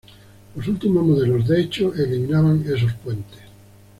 Los últimos modelos de hecho eliminaban esos puentes.